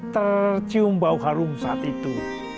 tercium bau harum saat itu